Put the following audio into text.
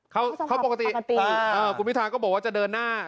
เขาปกติคุณพิทาก็บอกว่าจะเดินหน้า